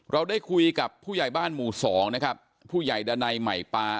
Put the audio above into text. เราได้คุยกับผู้ใหญ่บ้านหมู่สองนะครับผู้ใหญ่ดันัยใหม่ปา